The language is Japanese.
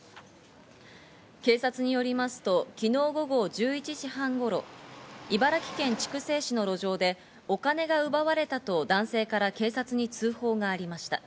警察によりますと昨日午後１１時半頃、茨城県筑西市の路上でお金が奪われたと男性から警察に通報がありました。